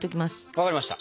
分かりました！